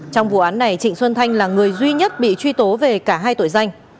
trong vụ án này trịnh xuân thanh là người duy nhất bị truy tố về cả hai tội danh